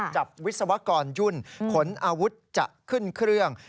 วิศวกรยุ่นขนอาวุธจะขึ้นเครื่อง